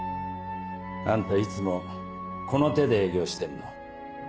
あんたいつもこの手で営業してんの？